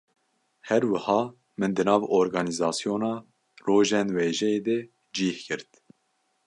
Her wiha, min di nav organîzasyona Rojên Wêjeyê de cih girt